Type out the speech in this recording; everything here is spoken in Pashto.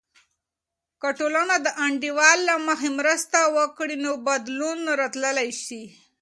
که ټولنه د انډول له مخې مرسته وکړي، نو بدلون راتللی سي.